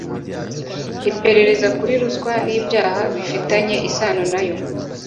iperereza kuri ruswa n ibyaha bifitanye isano nayo